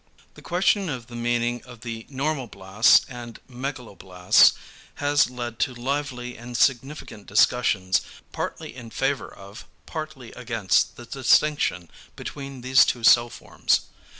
The question of the meaning of the =normoblasts= and =megaloblasts= has led to lively and significant discussions, partly in favour of, partly against the distinction between these two cell forms.